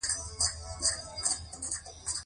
مړې مړې خبرې مو کولې.